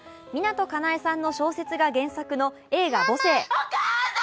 湊かなえさんの小説が原作の映画「母性」。